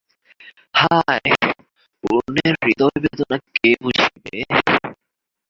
হায়, পূর্ণের হৃদয়বেদনা কে বুঝিবে?